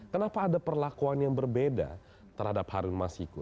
kenapa ada perlakuan yang berbeda terhadap harun masiku